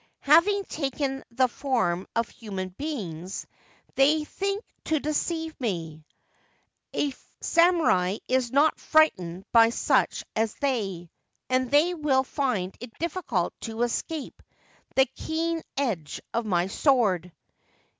Having taken the form of human beings, they think to deceive me ! A samurai is not frightened by such as they, and they will find it difficult to escape the keen edge of my sword.'